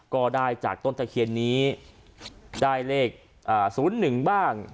ก็ได้จากต้นตะเคียนนี้ได้เลขอ่าศูนย์หนึ่งบ้าง